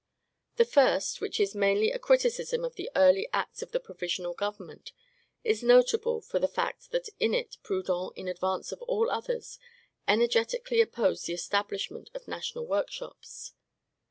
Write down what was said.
The first, which is mainly a criticism of the early acts of the provisional government, is notable from the fact that in it Proudhon, in advance of all others, energetically opposed the establishment of national workshops.